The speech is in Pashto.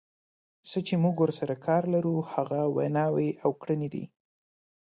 څه چې موږ ورسره کار لرو هغه ویناوې او کړنې دي.